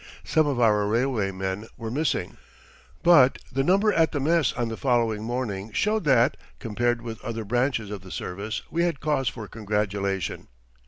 Some of our railway men were missing, but the number at the mess on the following morning showed that, compared with other branches of the service, we had cause for congratulation.